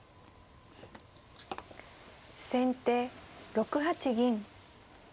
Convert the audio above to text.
先手６八銀。